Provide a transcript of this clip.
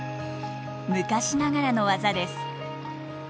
昔ながらの技です。